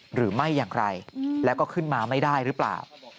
หรือไม่อย่างไรแล้วก็ขึ้นมาไม่ได้หรือเปล่า